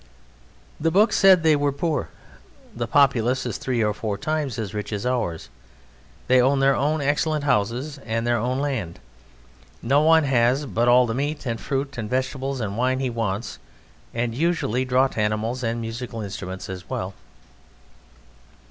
The book said they were poor. Their populace is three or four times as rich as ours. They own their own excellent houses and their own land; no one but has all the meat and fruit and vegetables and wine he wants, and usually draught animals and musical instruments as well.